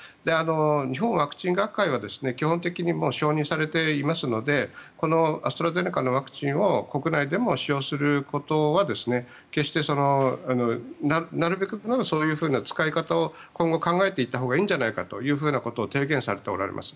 日本ワクチン学会は基本的に、承認されていますのでこのアストラゼネカのワクチンを国内でも使用することは決してなるべくならそういうふうな使い方を今後、考えていったほうがいいんじゃないかということを提言されておられます。